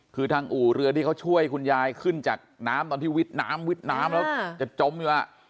คือทางอู่เรือที่เขาช่วยคุณยายขึ้นจากน้ำตอนที่วิดน้ำวิดน้ำแล้วจะจมอยู่